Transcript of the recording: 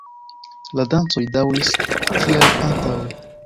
La dancoj daŭris kiel antaŭe.